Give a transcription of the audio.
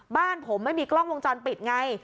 บ้านผมไม่มีกล้องวงจรปิดไง